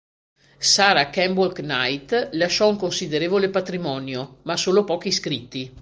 Sarah Kemble Knight lasciò un considerevole patrimonio, ma solo pochi scritti.